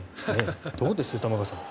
どうです玉川さん。